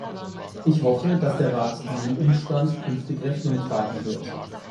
Ich hoffe, dass der Rat diesem Umstand künftig Rechnung tragen wird.